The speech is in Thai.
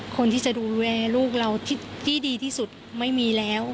คนที่จะดูแลลูกเราที่ดีที่สุดไม่มีแล้ว